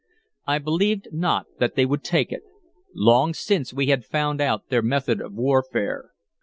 I believed not that they would take it. Long since we had found out their method of warfare.